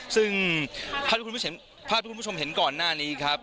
ซึ่งภาพที่คุณผู้ชมเห็นก่อนหน้านี้ครับ